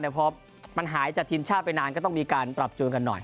แต่พอมันหายจากทีมชาติไปนานก็ต้องมีการปรับจูนกันหน่อย